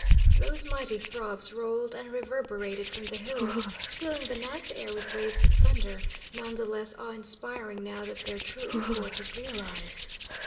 Those mighty throbs rolled and reverberated from the hills, filling the night air with waves of thunder, none the less awe inspiring now that their true import was realised.